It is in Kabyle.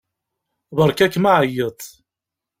Beṛka-kem aɛeyyeḍ.